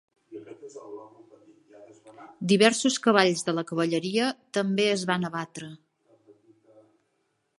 Diversos cavalls de la Cavalleria també es van abatre.